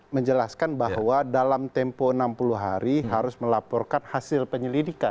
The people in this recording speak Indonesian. menjelaskan bahwa dalam tempo enam puluh hari harus melaporkan hasil penyelidikan